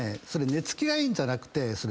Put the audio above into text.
寝付きがいいんじゃなくて。